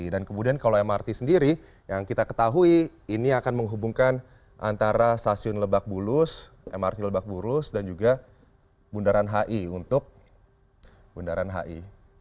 dan kemudian kalau mrt sendiri yang kita ketahui ini akan menghubungkan antara stasiun lebak bulus mrt lebak bulus dan juga bundaran hi untuk bundaran hi